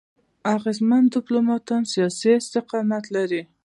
اغېزمن ډيپلوماټان سیاسي استقامت لري.